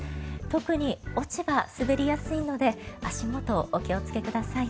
特に落ち葉、滑りやすいので足元お気をつけください。